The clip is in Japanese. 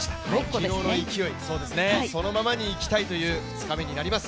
昨日の勢いそのままにいきたいという２日目になります。